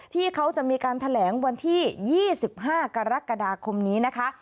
ที่เขาจะมีการแถลงวันที่๒๕กรกฎาคมนี้นะคะ